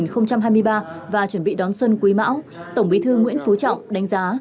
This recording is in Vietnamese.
năm hai nghìn hai mươi ba và chuẩn bị đón xuân quý mão tổng bí thư nguyễn phú trọng đánh giá